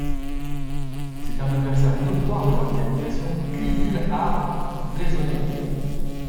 C'est un adversaire notoire de l'organisation Kuzul ar Brezhoneg.